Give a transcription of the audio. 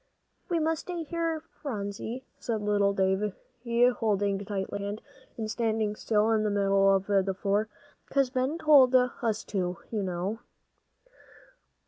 "We must stay here, Phronsie," said little Davie, holding tightly to her hand, and standing still in the middle of the floor, "'cause Ben told us to, you know."